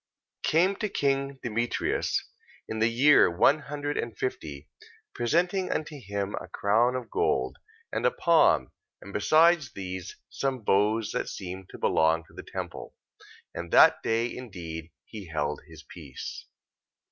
Came to king Demetrius in the year one hundred and fifty, presenting unto him a crown of gold, and a palm, and besides these, some boughs that seemed to belong to the temple. And that day indeed he held his peace.